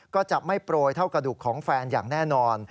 ก็จะไม่โปรยเท่ากระดูกของแฟนอย่างแน่นอน